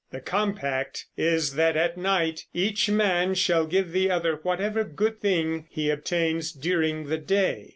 The compact is that at night each man shall give the other whatever good thing he obtains during the day.